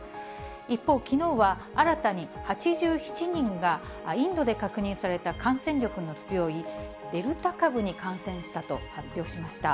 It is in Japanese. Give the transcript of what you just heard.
一方、きのうは新たに８７人が、インドで確認された感染力の強いデルタ株に感染したと発表しました。